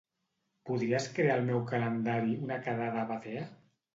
Podries crear al meu calendari una quedada a Batea?